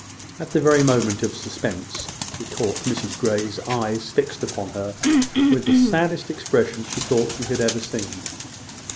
At the very moment of suspense, she caught Mrs Grey's eye fixed upon her with the saddest expression she thought she had ever seen.